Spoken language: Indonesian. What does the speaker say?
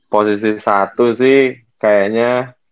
posisi satu sih kayaknya